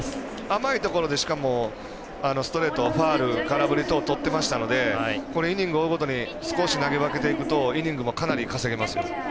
甘いところでしかもストレート、ファウル空振り等、とってましたのでイニング追うごとに少し投げ分けていくとイニングもかなり稼げますよ。